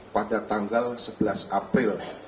pada tanggal sebelas april